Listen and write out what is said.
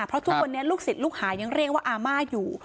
เพราะทุกวันนี้ลูกศิษย์ลูกหายังเรียกว่าอาม่าอยู่